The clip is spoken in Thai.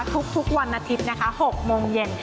ทุกวันอาทิตย์นะคะ๖โมงเย็น